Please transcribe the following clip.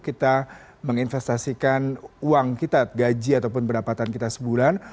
kita menginvestasikan uang kita gaji ataupun pendapatan kita sebulan